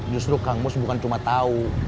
justru kang mus bukan cuma tahu